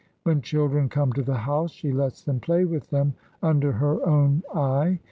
When children come to the house, she lets them play with them under her own eye.